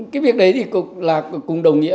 cái việc đấy thì cũng là cùng đồng nghĩa